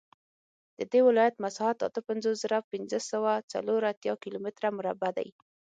د دې ولایت مساحت اته پنځوس زره پنځه سوه څلور اتیا کیلومتره مربع دی